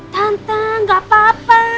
tante enggak apa apa